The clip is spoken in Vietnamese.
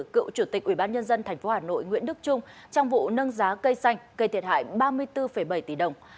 cựu chủ tịch ubnd tp hà nội nguyễn đức trung trong vụ nâng giá cây xanh gây thiệt hại ba mươi bốn bảy tỷ đồng